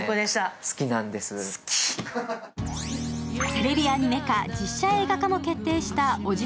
テレビアニメ化、実写映画化も決定した本作。